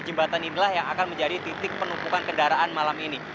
jembatan inilah yang akan menjadi titik penumpukan kendaraan malam ini